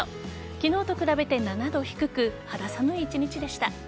昨日と比べて７度低く肌寒い一日でした。